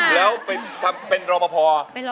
แล้วทำเป็นรอประพา